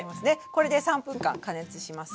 これで３分間加熱します。